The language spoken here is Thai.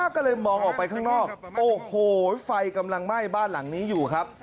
ก็เลยมองออกไปข้างนอกโอ้โหไฟกำลังไหม้บ้านหลังนี้อยู่ครับ